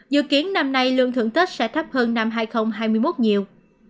dự kiến năm nay lương thưởng tết sẽ thấp hơn năm hai nghìn hai mươi một nhiều